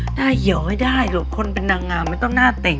หน้าเหี่ยวให้ได้ลูกคนเป็นนางงามมันต้องหน้าเต็ง